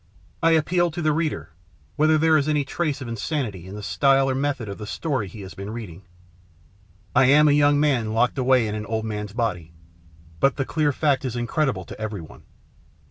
I appeal to the reader, whether there is any trace of insanity in the style or method of the story he has been reading. I am a young man locked away in an old man's body. But the clear fact is incredible to everyone.